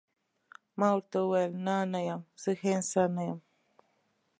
ما ورته وویل: نه، نه یم، زه ښه انسان نه یم.